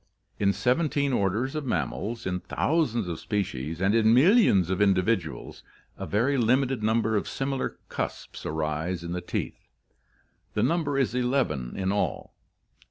In seventeen orders of mam ORTHOGENESIS AND KINETOGENESIS 179 mals, in thousands of species, and in millions of individuals, a very limited number of similar cusps arise in the teeth; the number is eleven in all.